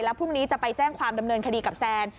พรุ่งนี้จะไปแจ้งความดำเนินคดีกับแซน